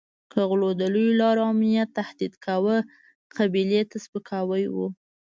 که غلو د لویو لارو امنیت تهدید کاوه قبیلې ته سپکاوی وو.